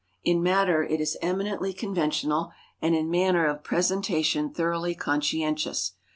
In matter it is eminently conventional, and in manner of presentation thoroughly conscientious.